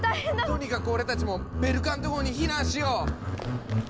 とにかく俺たちもベルカント号に避難しよう！